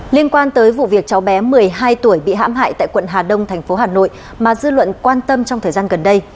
liên quan tới vụ việc cháu bé một mươi hai tuổi bị hãm hại tại quận hà đông thành phố hà nội mà dư luận quan tâm trong thời gian gần đây